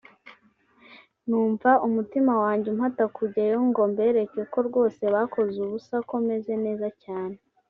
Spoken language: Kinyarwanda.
numva umutima wanjye umpata kujyayo ngo mbereke ko rwose bakoze ubusa ko meze neza cyane